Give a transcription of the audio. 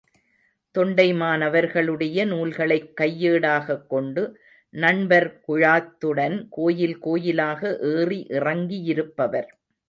தொண்டைமானவர்களுடைய நூல்களைக் கையேடாகக் கொண்டு, நண்பர் குழாத்துடன் கோயில் கோயிலாக ஏறி இறங்கியிருப்பவர்.